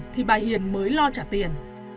thì bà hiền mới lo trả tiền